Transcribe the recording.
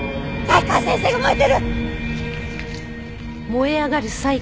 才川先生が燃えてる！